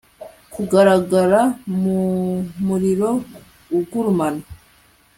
kugaragara mu muriro ugurumana